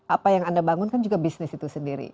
apa yang anda bangunkan juga bisnis itu sendiri